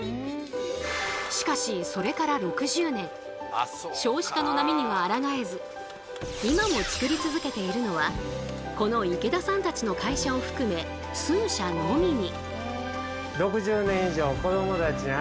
しかしそれから６０年今も作り続けているのはこの池田さんたちの会社を含め数社のみに。